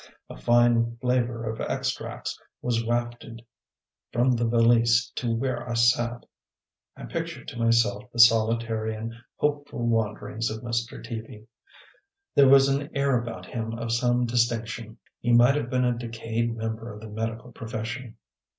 A fine flavor of extracts was wafted from the valise to where I sat. I pictured to myself the solitary and hopeful wanderings of Mr. Teaby. There was an air about him of some distinction; he might have been a decayed member of the medical profession.